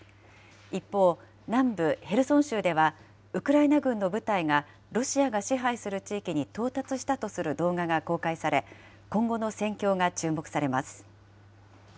一方、南部ヘルソン州では、ウクライナ軍の部隊がロシアが支配する地域に到達したとする、動画が公開され、今後の戦況が注目されます。